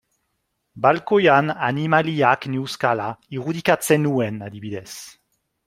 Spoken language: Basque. Balkoian animaliak neuzkala irudikatzen nuen adibidez.